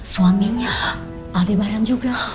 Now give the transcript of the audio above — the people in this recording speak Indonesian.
suaminya aldebaran juga